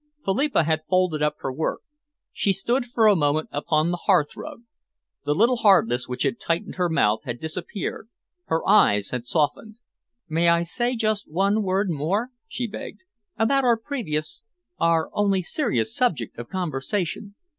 Philippa had folded up her work. She stood for a moment upon the hearth rug. The little hardness which had tightened her mouth had disappeared, her eyes had softened. "May I say just one word more," she begged, "about our previous our only serious subject of conversation?